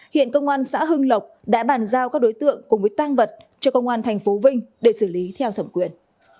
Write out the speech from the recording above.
hiện công an xã hưng lộc đã bàn giao các đối tượng cùng với tăng vật cho công an tp vinh để xử lý theo thẩm quyền